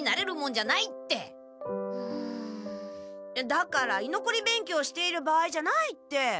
だからいのこり勉強している場合じゃないって。